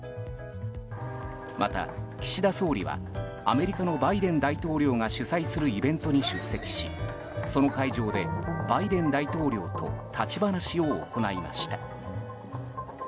また、岸田総理はアメリカのバイデン大統領が主催するイベントに出席しその会場で、バイデン大統領と立ち話を行いました。